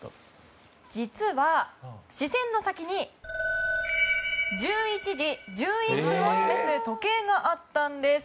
実は、視線の先に１１時１１分を示す時計があったんです。